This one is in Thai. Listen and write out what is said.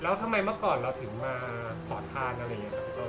แล้วทำไมเมื่อก่อนเราถึงมาขอทานอะไรอย่างนี้ครับ